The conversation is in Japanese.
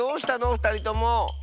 ふたりとも。